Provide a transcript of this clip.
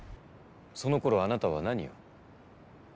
その頃あなたは何を？